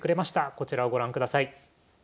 こちらをご覧ください。